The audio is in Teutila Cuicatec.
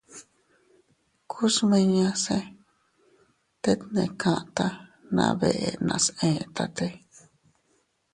Ku smiñase tet ne kata na beʼe nas etate.